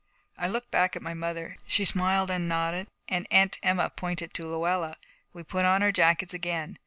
I looked back at my mother. She smiled and nodded, and Aunt Emma pointed to Luella. We put on our jackets again.